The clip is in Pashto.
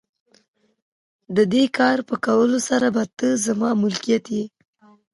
د دې کار په کولو سره به ته زما ملکیت یې.